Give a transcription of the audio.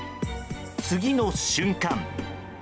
次の瞬間。